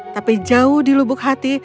tapi jauh di lubuk hati